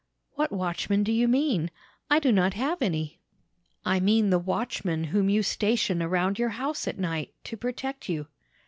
"'What watchmen do you mean? I do not have any.' "'I mean the watchmen whom you station around your house at night, to protect you.'